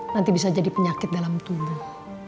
nanti bisa jadi penyakit dalam tubuh